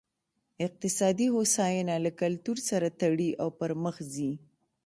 اقتصادي هوساینه له کلتور سره تړي او پرمخ ځي.